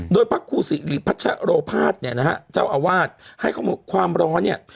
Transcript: โดยพระครูสิริพัชโรภาสเนี่ยนะฮะเจ้าอาวาสให้ข้อมูลความร้อนเนี่ย